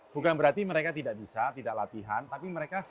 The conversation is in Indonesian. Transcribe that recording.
bukan berarti mereka tidak bisa tidak latihan tapi mereka